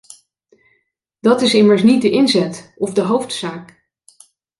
Dat is immers niet de inzet, of de hoofdzaak.